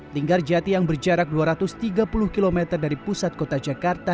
linggar jati yang berjarak dua ratus tiga puluh km dari pusat kota jakarta